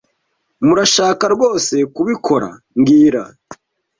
Murashaka rwose kubikora mbwira